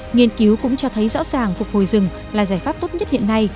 nghiên cứu cũng cho thấy rõ ràng phục hồi rừng là giải pháp tốt nhất hiện nay